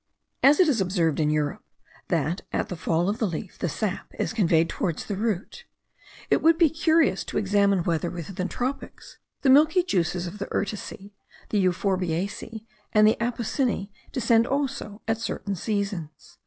As it is observed in Europe, that at the fall of the leaf the sap is conveyed towards the root, it would be curious to examine whether, within the tropics, the milky juices of the urticeae, the euphorbiaceae, and the apocyneae, descend also at certain seasons.